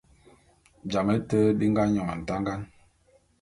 Jame te bi nga nyône ntangan.